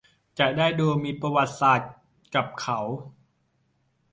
จะได้ดูมีประวัติศาสตร์กับเค้า